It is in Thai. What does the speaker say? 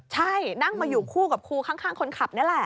ใช่นั่งมาอยู่คู่กับครูข้างคนขับนี่แหละ